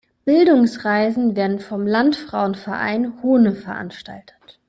Bildungsreisen werden vom Landfrauenverein Hohne veranstaltet.